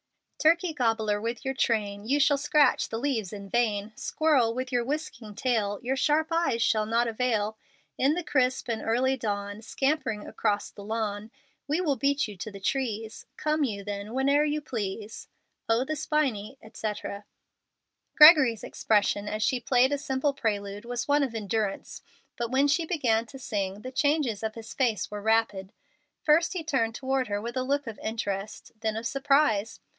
Turkey gobbler, with your train, You shall scratch the leaves in vain; Squirrel, with your whisking tail, Your sharp eyes shall not avail; In the crisp and early dawn, Scampering across the lawn. We will beat you to the trees, Come you then whene'er you please. O the spiny, etc. Gregory's expression as she played a simple prelude was one of endurance, but when she began to sing the changes of his face were rapid. First he turned toward her with a look of interest, then of surprise.